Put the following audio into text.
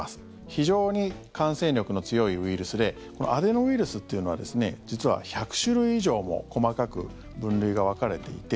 非常に感染力の強いウイルスでアデノウイルスっていうのは実は１００種類以上も細かく分類が分かれていて